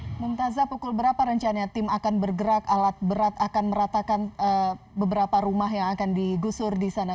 mumtazah pukul berapa rencana tim akan bergerak alat berat akan meratakan beberapa rumah yang akan digusur di sana